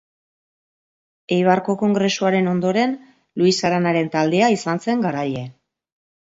Eibarko kongresuaren ondoren, Luis Aranaren taldea izan zen garaile.